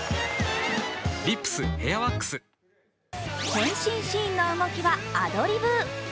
変身シーンの動きはアドリブ。